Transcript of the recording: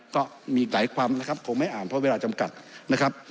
ก็มีอีกหลายความนะครับคงไม่อ่านเพราะเวลาจำกัดนะครับ